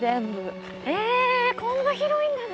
えこんな広いんだね。